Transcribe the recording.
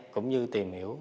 cũng như tìm hiểu